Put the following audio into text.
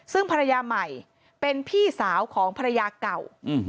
ซึ่งภรรยาใหม่เป็นพี่สาวของภรรยาเก่า